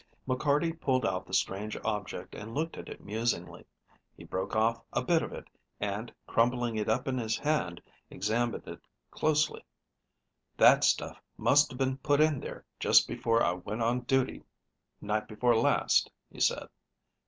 McCarty pulled out the strange object and looked at it musingly. He broke off a bit of it, and, crumbling it up in his hand, examined it closely. "That stuff must have been put in there just before I went on duty night before last," he said.